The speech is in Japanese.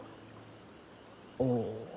おお。